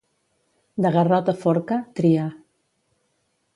De garrot a forca, tria.